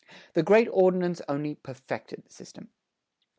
The great Ordinance only perfected the system.